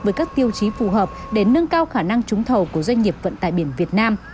với các tiêu chí phù hợp để nâng cao khả năng trúng thầu của doanh nghiệp vận tải biển việt nam